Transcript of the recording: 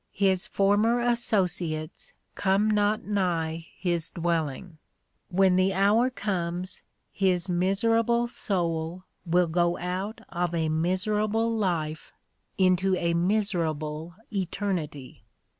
His former associates come not nigh his dwelling. When the hour comes, his miserable soul will go out of a miserable life into a miserable eternity.